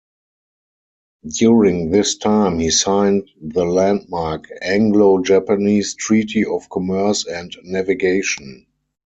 During this time he signed the landmark Anglo-Japanese Treaty of Commerce and Navigation.